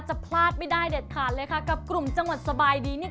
จะพลาดไม่ได้เด็ดขาดเลยค่ะกับกลุ่มจังหวัดสบายดีเนี่ย